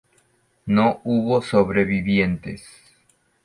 No hubo sobrevivientes.